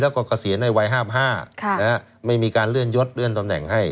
แล้วก็เกษียณในวัย๕๕ไม่มีการเลื่อนยดเลื่อนตำแหน่งให้